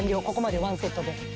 ここまでワンセットで。